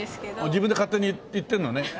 自分で勝手に言ってるのね。